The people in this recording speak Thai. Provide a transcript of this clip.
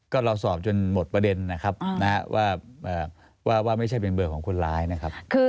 ก็เราสอบจนหมดประเด็นนะครับว่าไม่ใช่เป็นเบอร์ของคนร้ายนะครับ